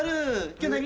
今日何？